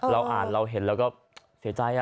เราอ่านเราเห็นเราก็เสียใจ